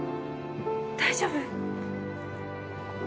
大丈夫？